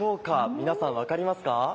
皆さん、分かりますか？